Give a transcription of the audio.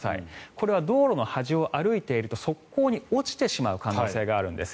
これは道路の端を歩いていると側溝に落ちてしまう可能性があるんです。